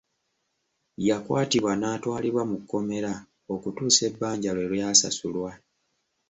Yakwatibwa n'atwalibwa mu kkomera okutuusa ebbanja lwe lyasasulwa.